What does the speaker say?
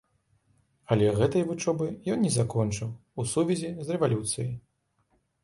Але гэтай вучобы ён не закончыў у сувязі з рэвалюцыяй.